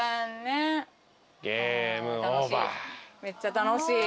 めっちゃ楽しい。